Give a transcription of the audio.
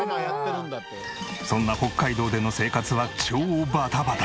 そんな北海道での生活は超バタバタ。